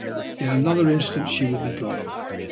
In another instant she would be gone.